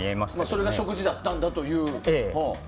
それが食事だったんだという。